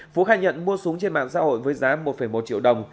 phú khai nhận mua súng trên mạng xã hội với giá một một triệu đồng